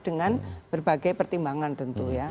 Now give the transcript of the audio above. dengan berbagai pertimbangan tentu ya